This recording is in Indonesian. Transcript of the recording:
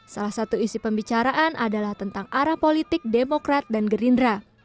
salah satu isi pembicaraan adalah tentang arah politik demokrat dan gerindra